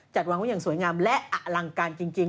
จัดวางไว้อย่างสวยงามและอลังการจริง